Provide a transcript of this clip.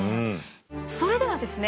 それではですね